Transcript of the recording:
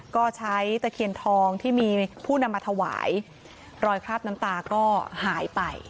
ก็ใช้ตะเคียนทองที่มีผู้นำมาถวายรอยคราบน้ำตาก็หายไป